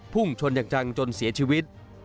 พุ่งชนอย่างจังจนเสียชีวิต